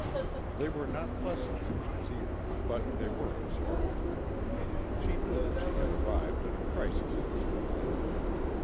They were not pleasant pictures either, but they were absorbing. She knew that she had arrived at a crisis in her life.